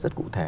rất cụ thể